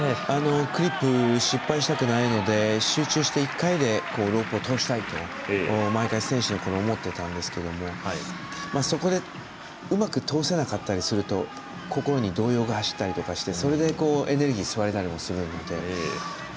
クリップ失敗したくないので集中して１回でロープを通したいって毎回、思ってたんですけどそこで、うまく通せなかったりすると心に動揺が走ったりして動揺してエネルギーを吸われたりもするので